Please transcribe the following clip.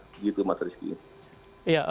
begitu mas rizky